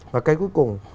và cái cuối cùng